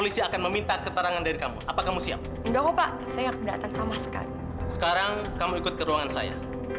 sampai jumpa di video selanjutnya